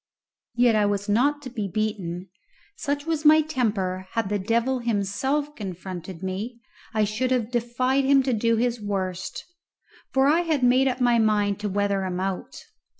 Yet was I not to be beaten. Such was my temper, had the devil himself confronted me, I should have defied him to do his worst, for I had made up my mind to weather him out.